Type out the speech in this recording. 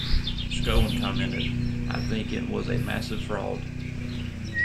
Schoen commented, "I think it was a massive fraud".